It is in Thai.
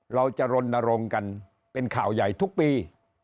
เราจะรณรงค์กันเป็นข่าวใหญ่ทุกปี